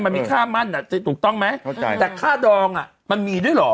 มันมีค่ามั่นอ่ะจะถูกต้องไหมเข้าใจแต่ค่าดองอ่ะมันมีด้วยเหรอ